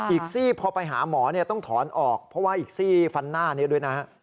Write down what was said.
ซี่พอไปหาหมอต้องถอนออกเพราะว่าอีกซี่ฟันหน้านี้ด้วยนะฮะ